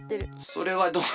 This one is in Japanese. それはどう。